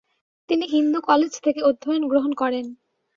তিনি হিন্দু কলেজ থেকে অধ্যয়ন গ্রহণ করেন।